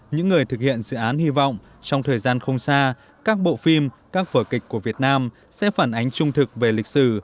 những người thực hiện dự án hy vọng trong thời gian không xa các bộ phim các vở kịch của việt nam sẽ phản ánh trung thực về lịch sử